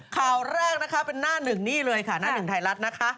ข่าวแรกนะคะเป็นหน้าหนึ่งนี่เลยค่ะหน้าหนึ่งไทยรัฐนะคะ